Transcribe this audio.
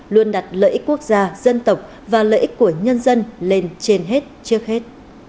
luôn đặt lợi ích quốc gia dân tộc và lợi ích của nhân dân lên trên hết trước hết